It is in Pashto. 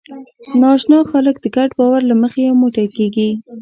ناآشنا خلک د ګډ باور له مخې یو موټی کېږي.